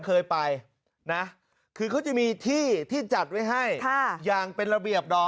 เคยไปนะคือเขาจะมีที่ที่จัดไว้ให้อย่างเป็นระเบียบดอม